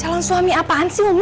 calon suami apaan sih om